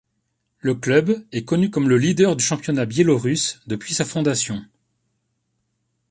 Le club est connu comme le leader du championnat Biélorusse depuis sa fondation.